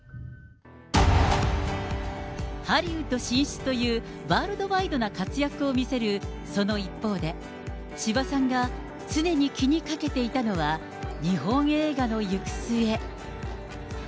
ハリウッド進出というワールドワイドな活躍を見せるその一方で、千葉さんが常に気にかけていたのは、日本映画の行く末。